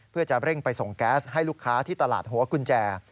เพื่อจะเร่งไปส่งแก๊สให้ลูกค้าที่ตลาดหัวกุญแจ